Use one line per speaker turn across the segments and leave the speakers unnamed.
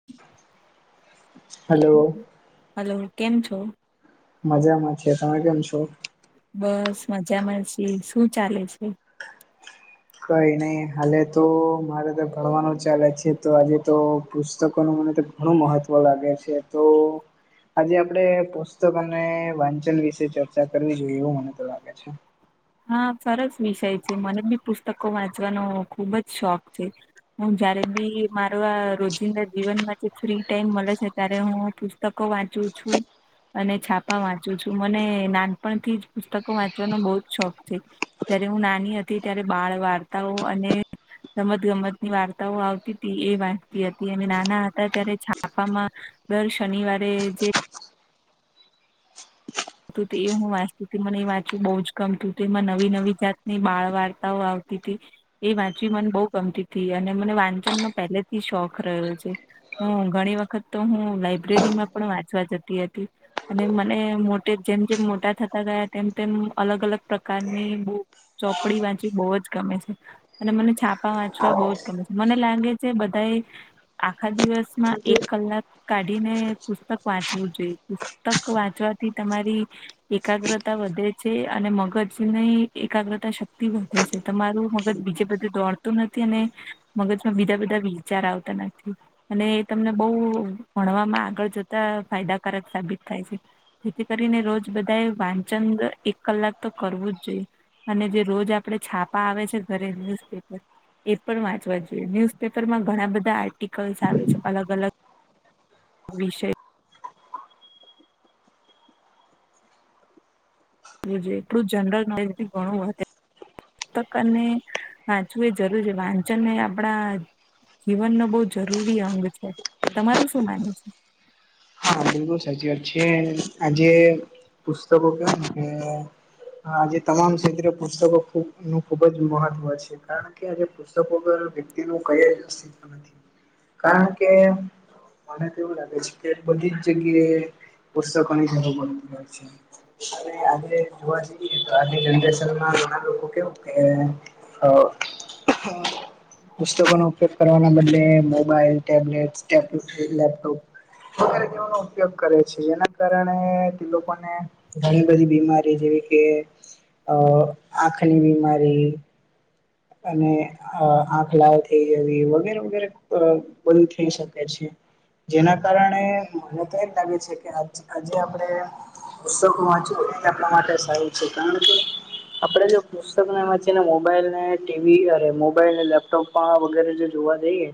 [inaudible] Hello
hello કેમ છો
મજામાં છે તમે કેમ છો
બસ મજામાં છીએ શું ચાલે છે
કંઈ નહીં હાલે તો મારે તો ભણવાનું ચાલે છે તો આજે તો પુસ્તકોનું મને ઘણું મહત્વ લાગે છે તો આજે આપડે પુસ્તક અને વાંચન વિશે ચર્ચા કરવી જોઈએ એવું મને તો લાગે છે.
હા સરસ વિષય છે મને બી પુસ્તકો વાંચવાનો ખુબ જ શોખ છે. હું જયારે બી મારો આ રોજિંદા જીવનમાં જે ફ્રી ટાઈમ મળે છે ત્યારે હું પુસ્તકો વાંચું છું. અને છાપા વાંચું છું મને નાનપણથી જ પુસ્તકો વાંચવાનો બહુ જ શોખ છે જયારે હું નાની હતી ત્યારે બાળ વાર્તાઓ અને રમત ગમતની વાર્તાઓ આવતી હતી એ વાંચતી હતી અને નાના હતા ત્યારે છાપામાં દર શનિવારે જે તું તે એ હું વાંચતી હતી મને એ વાંચવું બહુ જ ગમતું એમાં નવી નવી જાતની બાળ વાર્તાઓ આવતી હતી. એ વાંચવી મને બહુ ગમતી તી અને મને વાંચનનો પહેલેથી શોખ રહ્યો છે. હું ઘણી વખત તો હું લાઈબ્રેરીમાં પણ વાંચવા જતી હતી અને મને મો ટે જેમ જેમ મોટા થતા ગયા તેમ તેમ અલગ અલગ પ્રકારની બુ ચોપડી વાચી બહુ જ ગમે છે. અને મને છાપા વાંચવા બહુ જ ગમે છે મને લાગે છે બધા એ આખા દિવસ માં એક કલાક કાઢી ને પુસ્તક વાંચવું જોઈ પુસ્તક વાંચવાથી તમારી એકાગ્રતા વધે છે અને મગજ ને એકાગ્રતા શક્તિ વધ વધે છે તમારું મગજ બીજે બધું દોડતું નથી અને મગજમાં બીજા બધા વિચાર આવતા નથી. અને એ તમને બઉ ભણવામાં આગળ જતા ફાયદાકારક સાબિત થાય છે. જેથી કરીને રોજ બધાએ વાંચન એક કલાક તો કરવું જ જોઈએ. અને જે રોજ આપડે છાપા આવે છે ઘરે ન્યુઝપેપર એ પણ વાંચવા જોઈએ ન્યુઝપેપર માં ઘણા બધા આર્ટિકલ્સ આવે છે અલગ અલગ વિષય [unintelligible] એટલું જનરલ નોલેજથી ઘણું વધે. પુસ્તકને વાંચવું એ જરૂર છે વાંચન ને આપણા જીવન નો બહુ જરૂરી અંગ છે તમારું શું માનવુ છે.
હા બિલકુલ સાચી વાત છે આજે પુસ્તકો કેમને હ આજે તમામ ક્ષેત્રે પુસ્તકો ખબ નું ખુબ જ મહત્વ છે. કારણ કે આજે પુસ્તકો પર વ્યક્તિ નું કઈ અસ્તિત્વ નથી. કારણ કે મને તોવું લાગે છે. કે બધી જ જગ્યાએ પુસ્તકોની [unintelligible] હોય છે આજે જોવા જઈએ તો આજે જનરેશનમાં ઘણા લોકો કેવું કે આ [unintelligible] પુસ્તકોનો ઉપયોગ કરવાના બદલે મોબાઈલ ટેબલેટટેલ [unintelligible] લેપટોપ વગેરે જેઓનો ઉપયોગ કરે છે જેના કારણે તે લોકોને ઘણી બધી બીમારી જેવી કે અ આંખની બીમારી અને અ આંખ લાલ થઈ જવી વગેરે વગેરે બંધ થઈ શકે છે. જેના કારણે મને તો એજ લાગે છે કે આજે આપડે પુસ્તકો વાંચવુ એ આપણા માટે સારું છે કારણ કે આપડે જો પુસ્તક ને વાંચી ને મોબાઈલ ને ટીવી અરે મોબાઈલ લેપટોપ પણ વગેરે જે જોવા જઈએ.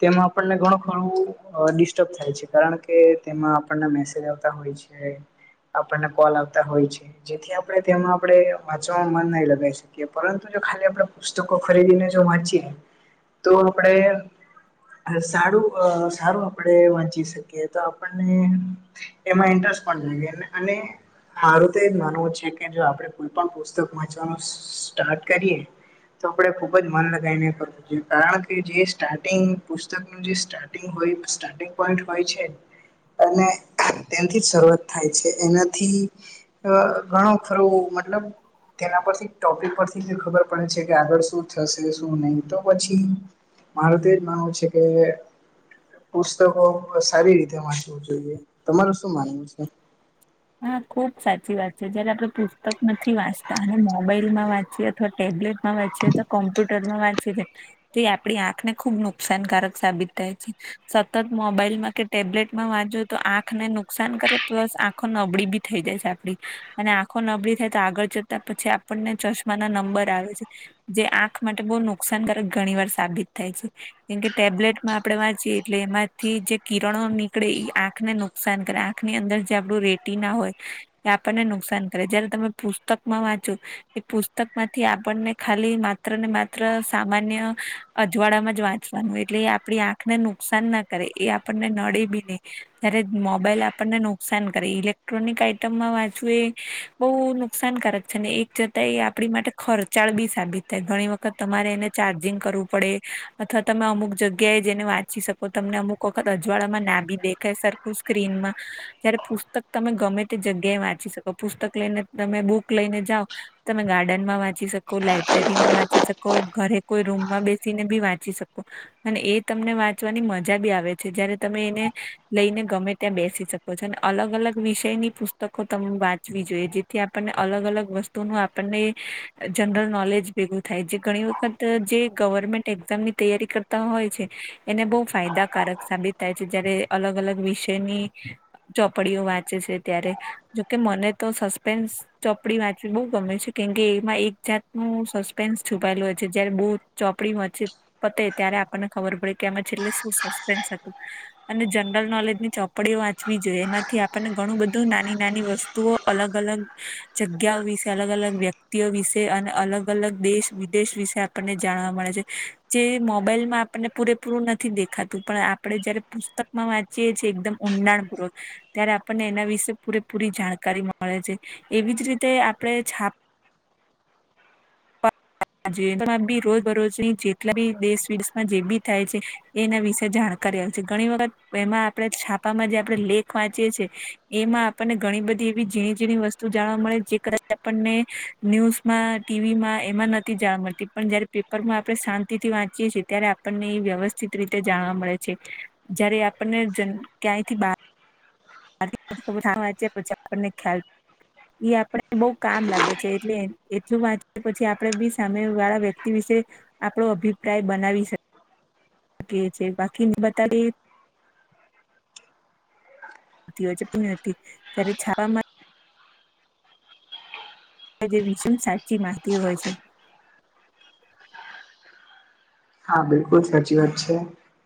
તેમાં આપણને ઘણું ખોણું ડિસ્ટર્બ થાય છે કારણ કે તેમાં આપણને મેસેજ આવતા હોય છે. છે આપણને કોલ આવતા હોય છે. જેથી આપણે તેમાં આપે વાંચવાવામાં મન નહી લગાવી શકીએ પરંતુ જો ખાલી આપડે પુસ્તકો ખરીદીને જો વાંચીએ તો આપણેે સારું સારું આપણેે વાંચી શકીએ તો આપણને એમાં ઇન્ટરેસ્ટ પણ [unintelligible] અને મારું તો એ માનવું છે કે જો આપડે કોઈ પણ પુસ્તક વાંચવાનું સ્ટાર્ટ કરીએ તોપડે ખુબ જ મન લગાય મેં કરુ કારણ કે જે સ્ટાર્ટિંગ પુસ્તકનું જે સારિંગ હોય સ્ટાર્ટિંગ પોઈન્ટ હોય છે. અને તેથી જ શરૂઆત થાય છે એનાથી અ ઘણો ખરું મતલબ તેના પરથી ટોપિક પરથી ખબર પડે છે. કે આગળ શું થશે શું નહી તો પછી મારુ તો એજ માનવું છે કે પુસ્તકો સારી રીતે વાંચવું જોઈએ તમારું શું માનવું છે.
હા ખુબ સાચી વાત છે જયારે આપડે પુસ્તક નથી વાંચતા અને મોબાઈલ માં વાંચીએ અથવા ટેબ્લેટ માં વાંચીએ તો કોમ્પ્યુટર માં વાંચીએ [unintelligible] તો આપડી આંખને ખુબ નુકસાનકારક સાબિત થાય છે. સતત મોબાઈલમાં કે ટેબ્લેટમાં વાંચો તો આંખ ને નુકસાન કરે પ્લસ આ આખો નબળી બી થઈ જાય છે આપડી અને આંખો નબળી થાય તો આગળ જતા પછી આપણને ચશ માં ન નંબર આવે છે જે આંખ માટે બહ નુકસાનકારક ઘણી વાર સાબિત થાય છે. કેમ કે ટેબ્લેટમાં આપડે વાંચીયએ એટલે એમાંથી જે કિરણો નીકળે એ આંખ ને નું નુકસાન કરે આંખની અંદર જે આપડું રેટી ના હોય એ આપણને નુકસાન કરે જયારે તમે પુસ્તકમાં વાંચો એ પુસ્તક માંથી આપણને ખાલી માત્ર ને માત્ર સામાન્ય અજવાળામાં જ વાંચવાનું એટલે આપણી આંખને નુકસાન ના કરે એ આપણને નડે બી નહી ત્યારે મોબાઈલ આપણને નુકસાન ઇલેક્ટ્રોનિક આઈટમમાં વાંચવું એ બહુ નુકસાનકારક છે ને એક જતા એ આપણી માટે ખર્ચાળ બી સાબિત થાય ઘણી વખત તમારે એને ચાર્જિંગ કરવું પડે અથવા તમે અમુક જગ્યાએ જઈને વાંચી શકો તમને અમુક વખત અજવાળામાં ના બી દેખાય સરખું સ્ક્રીનમાં જયારે પુસ્તક તમે ગમે તે જગ્યાએ વાંચી શકો પુસ્તક લઈને તમે બુક લઈને જાઓ તમે ગાર્ડનમાં વાંચી શકો લાઈબ્રેરીમાં વાંચી શકો ઘરે કોઈ રૂમમાં બેસીને બી વાંચી શકો. અને એ તમને વાંચવાની મજા બી આવે છે, જયારે તમે એને લઈને ગમે ત્યાં બેસી શકો છો અને અલગ અલગ વિષયની પુસ્તકો તમ વાંચવી જોઈએ જેથી આપણને અલગ અલગ વસ્તુ નુ આપણને જનરલ નોલેજ ભેગું થાય જે ઘણી વખત જે ગવર્મેન્ટ એક્ઝામની તૈયારી કર તુ હોય છે, એને બહુ ફાયદાકારક સાબિત થાય છે જયારે અલગ અલગ વિષયની ચોપડીઓ વાંચે છે ત્યારે જોકે મને તો સસ્પેન્સ ચોપડી વાંચવી બહુ ગમે છે, કેમકે એમાં એક જાત નુ સસ્પેન્સ છુપાયેલું હોય છે, જયારે બહુ ચોપડીમાં છે પતે ત્યારે આપણને ખબર પડે કે આમાં છેલે શું સસ્પેન્સ હતું. અને જનરલ નોલેજ ની ચોપડીઓ વાંચવી જોઈએ એમાં થી આપણને ઘણું બધું નાની નાની વસ્તુઓ અલગ અલગ જગ્યાઓ વિશે અલગ અલગ વ્યક તીયો વિશે અને અલગ અલગ દેશ વિદેશ વિશે આપણને જાણવા મળે છે. જે મોબાઈલમાં આપણને પૂરેપૂરું નથી દેખાતું પણ આપણે જયારે પુસ્તકમાં વા ચીએ છીએ એકદમ ઊંડાણ પૂર્વક ત્યારે આપણને એના વિશે પૂરેપૂરી જાણકારી મળે છે. એવી જ રીતે આપણે છાપ [unintelligible] જેમાં બી રોજ બરોજની જેટલા બી દેશ વિદેશમાં જે બી થાય છે. એના વિશે જાણકારી આવે છે, ઘણી વખત એમાં આપણે છાપામાં જે આપડે લેખ વાંચીએ છીએ એમાં આપણને ઘણી બધી એવી ઝીણી ઝીણી વસ્તુ જાણવા મળે જે કદાચ આપણને ન્યુઝમાં ટીવી માં એમાં ન થી જાણવા મળતી પણ જયારે પેપરમાં આપણે શાંતિ થી વાંચીએ છીએ ત્યારે આપણને એ વ્યવસ્થિત રીતે જાણવા મળે છે. જયારે આપણને ક્યાંયથી બાર [unintelligible] પછી આપણને ખ્યાલ એ આપને બહુ કામ લાગે છે એટલે એટલું વાંચે પછી આપડે બી સામે વાળા વ્યક્તિ વિશે આપણો અભિપ્રાય બનાવી શકીએ છે બાકી બતા એ [unintelligible] ત્યારે છાપામા [unintelligible] સાચી મા હોય છે.
હા, બિલકુલ સાચી વાત છે.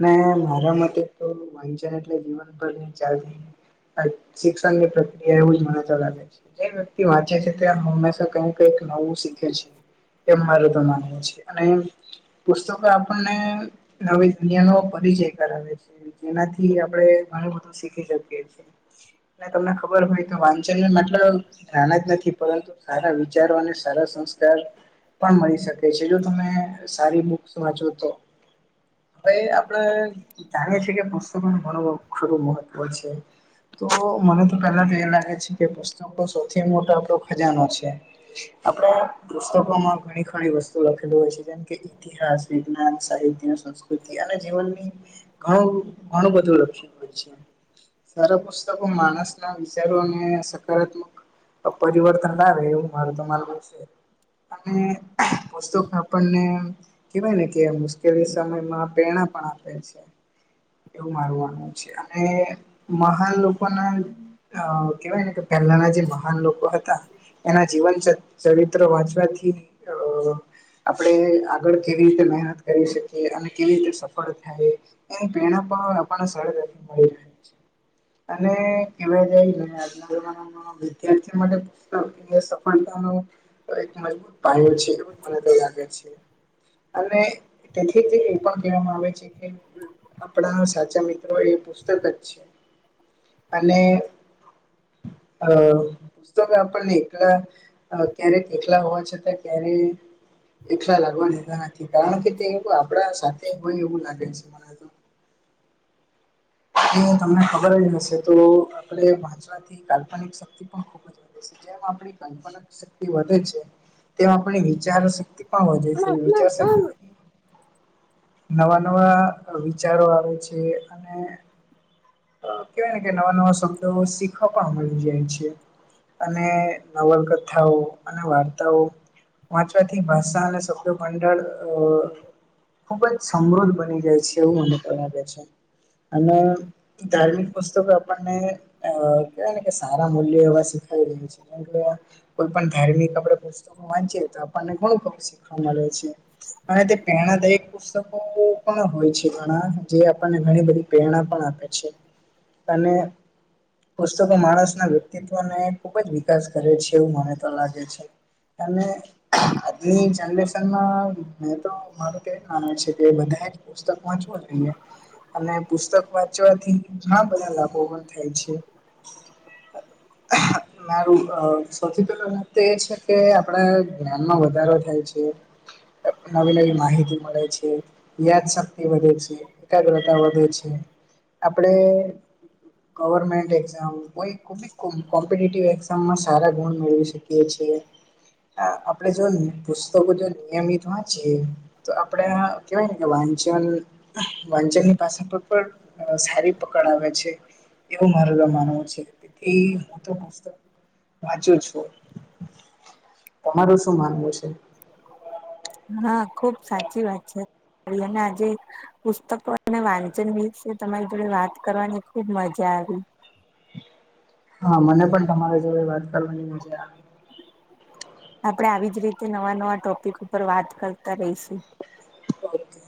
ને મારા મતે તો વાંચન એટલે જીવનભર ની ચાલતી શિક્ષણ ની પ્રક્રિયા એવું જ મનેતો લાગે છે. જે વ્યક્તિ વાંચે છે તે હંમેશા કઈક નવું શીખે છે. એમ મારે તો માનવું છે, અને પુસ્તકો આપણને નવી દુનિયા નો પરિચય કરાવે છે. જેનાથી આપણે ઘણું બધું શીખી શકીએ છીએ, તમને ખબર હોય તો વાંચન મતલબ નાના જ નથી પરંતુ સારા વિચારો અને સારા સંસ્કાર પણ મળી શકે છે, જો તમે સારી બુ વાંચો તો ભાઈ આપડે જાણીએ છીએ કે પુસ્તકો નુ ઘણું ખરું મહત્વ છે. તો મને તો પેલા તો એ લાગે છે કે પુસ્તક સૌથી મોટો આપડો ખજાનો છે. આપણે પુસ્તકોમાં ઘણી ખણી વસ્તુ લખેલું હોય છે, જેમ કે ઇતિહાસ વિજ્ઞાન સાહિત્ય સંસ્કૃતિ અને જીવનની ઘણું ઘણું બધું લક્ષણ હોય છે. સારા પુસ્તકો માણસના વિચારો અને સકારાત્મક પરિવર્તન નો આવે એવું મારું તો માનવું છે. અને પુસ્તક આપણને કેવાય ને કે મુશ્કેલી સમયમાં પેણા પણ આપે છે. એવું મારવાનું છે અને મહાન લોકો ના અ કેવાય ને કે પહેલાના જે મહાન લોકો હતા એના જીવન ચરિત્ર વાંચવાથી અ આપણેે આગળ કેવી રીતે મહેનત કરી શકીએ અને કેવી રીતે સફળ થાય એ પેણા પણ આપણને સર મળી રહે છે. અને કેવાય જાય ને આજના જમાના વિદ્યાર્થી માટે સફળતા ન તો એક મજબૂત પાણી છે એવું જ મને તો લાગે છે. અને તેથી જ એ પણ કહેવામાં આવે છે કે આપણા સાચા મિત્રો એ પુસ્તક જ છે અને અ પુસ્તકપણને [unintelligible] ક્યારેક એકલા હોવા છતાં ક્યારે એકલા લાગવાની કારણ કે તેવ આપણા સાથે હોય એવું લાગે છે મને તમને ખબર જ હશે તો આપણે વાચવાથી કાલ્પનિક શક્તિ પણ ખુબ જ જે આપ કપ શક્તિ વધે છે તેમ આપણી વિચારો શક્તિ હો જાય છે વિચાર શ નવા નવા વિચારો આવે છે અને કેવાય ને કે નવા નવા શબ્દો શીખવા પણ મળી જાય છે. અને નવલકથાઓ અને વાર્તાઓ વાંચવાથી ભાષા અને સભ મંડળ અ ખુબ જ સમૃદ્ધ બની જાય છે એવું મને પણ લાગે છે અને ધાર્મિક પુસ્તકો આપણને અ કેહેવાય ને કે સારા મૂલ્ય એવા શીખાઈ રહ્યા છે. કો પણ ધાર્મિક આપણે પુસ્તકો વાંચી તો આપણને [unintelligible] છે અને તે પેણ દાયક પુસ્તકો પણ હોય છે ઘણા જે આપણને ઘણી બધી પ્રેરણા પણ આપે છે અને પુસ્તકો માણસ ના વ્યક્તિત્વને ખુબ જ વિકાસ કરે છે એવું મને તો લાગે છે. અનેમે આજની જનરેશનમાં મે તો મારું કેવી મા છે કે બધએ પુસ્તક વાંચવુંઈને અને પુસ્તક વા ચવાથી ઘણા બધા લાભો પણ થાય છે.
[inaudible]
મારું સૌથી પેલા વાત તો એ છે કે આપડ જ્ઞાનમાં વધારો થાય છે. નવી નવી માહિતી મળે છે. યાદશક્તિ વધે છે એકાગ્રતા વધે છે. આપણેે ગવર્મેન્ટ એક્ઝામ હોય કોમ્પિ એક્ઝામમાં સારા ગુણ મેળવી શકી છીએ હ આપણેે જો પુસ્તકો જો નિયમિત વાંચીયે તો આપણેે કેવાય ને કે વાંચન વાંચન ની પાષા પર પણ સારી પકડ આવે છે એવું મારે ર માનવું છે એ હું તો પુસ્તક ઈ વાચુ છું તમારું શું માનવું છે?
હા ખુબ સાચી વાત છે અને આજે પુસ્તકો અને વાંચન વિશે તમારી જોડે વાત કરવાની ખુબ મજા આવી
હા મને પણ તમારે જોડે વાત કરવાની મજા આવે
આપડણે આવી જ રીતે નવા નવા ટોપિક ઉપર વાત કરતા રહીશ
ઓકે.